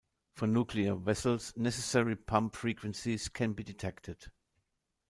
For nuclear vessels, necessary pump frequencies can be detected.